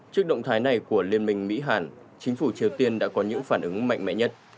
trước động thái này của liên minh mỹ hàn chính phủ triều tiên đã có những phản ứng mạnh mẽ nhất